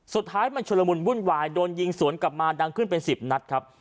สุดท้ายมันชุลมุนวุ่นวายโดนยิงสวนกลับมาดังขึ้นเป็น๑๐นัดครับ